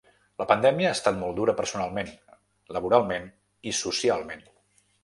La pandèmia ha estat molt dura personalment, laboralment i socialment.